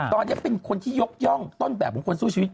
ตอนนี้เป็นคนที่ยกย่องต้นแบบของคนสู้ชีวิต